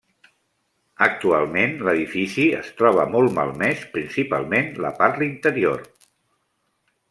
Actualment, l'edifici es troba molt malmès, principalment la part l'interior.